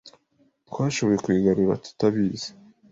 Twashoboye kuyigarura tutabizi.